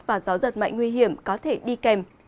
và gió giật mạnh nguy hiểm có thể đi kèm